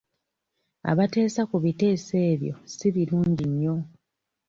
Abateesa ku biteeso ebyo si birungi nnyo.